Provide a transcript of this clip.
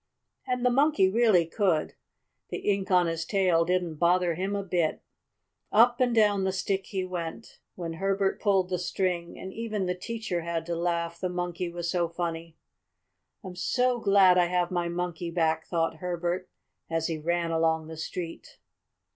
And the Monkey really could. The ink on his tail didn't bother him a bit. Up and down the stick he went, when Herbert pulled the string, and even the teacher had to laugh, the Monkey was so funny. "I'm so glad I have my Monkey back!" thought Herbert as he ran along the street.